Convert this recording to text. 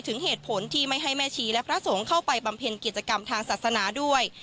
เหตุผลที่ไม่ให้แม่ชีและพระสงฆ์เข้าไปบำเพ็ญกิจกรรมทางศาสนาด้วย